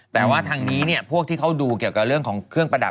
แต่ว่าทางนี้เนี่ยพวกที่เขาดูเกี่ยวกับเรื่องของเครื่องประดับ